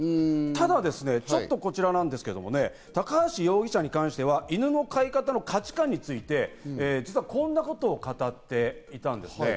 ただちょっとこちらなんですけど、高橋容疑者に関しては犬の飼い方の価値感について、実はこんなことを語っていたんですね。